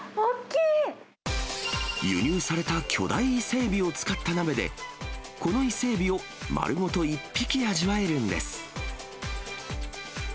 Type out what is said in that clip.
輸入された巨大伊勢エビを使った鍋で、この伊勢エビを丸ごと１匹味わえるんです。